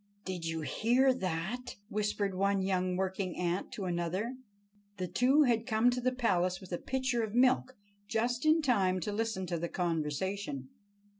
"Did you hear that?" whispered one young working ant to another. The two had come to the palace with a pitcher of milk just in time to listen to the conversation.